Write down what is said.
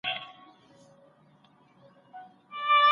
څنګه اوربند د خبرو اترو لاره پرانیزي؟